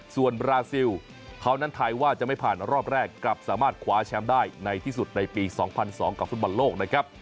ส่วนบราซิลเขานั้นไทยว่าจะไม่ผ่านรอบแรกกลับสามารถคว้าแชมป์ได้ในที่สุดในปี๒๐๐๒กับฟุตบอลโลกนะครับ